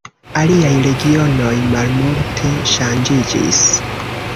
Aliaj regionoj malmulte ŝanĝiĝis.